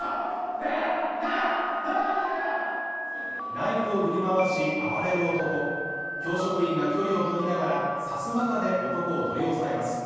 ナイフを振り回し、暴れる男教職員が距離を取りながら、さすまたで男を取り押さえます。